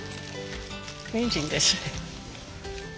にんじんですね。